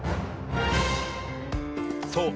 そう。